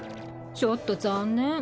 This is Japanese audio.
ちょっと残念。